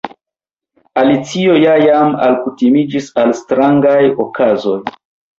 Alicio ja jam alkutimiĝis al strangaj okazoj.